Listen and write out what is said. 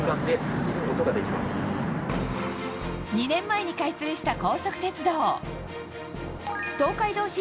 ２年前に開通した高速鉄道。